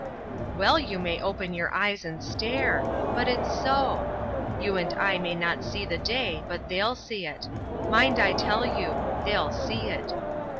"Well you may open your eyes and stare! But it's so. You and I may not see the day, but they'll see it. Mind I tell you; they'll see it.